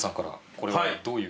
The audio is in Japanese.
これはどういう？